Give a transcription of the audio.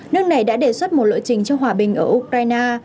nước này đã đề xuất một lộ trình cho hòa bình ở ukraine